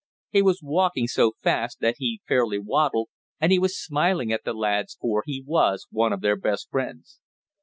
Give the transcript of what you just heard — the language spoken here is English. He was walking so fast that he fairly waddled, and he was smiling at the lads, for he was one of their best friends.